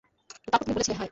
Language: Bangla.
তারপর তুমি বলেছিলে, হায়!